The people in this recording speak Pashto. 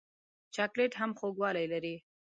چاکلېټ هم خوږوالی لري.